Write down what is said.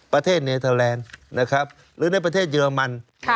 ประเทศเนเทอร์แลนด์นะครับหรือในประเทศเยอรมัน